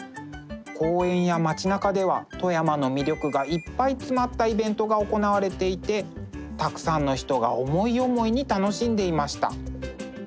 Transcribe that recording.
公園や街なかでは富山の魅力がいっぱい詰まったイベントが行われていてたくさんの人が思い思いに楽しんでいました。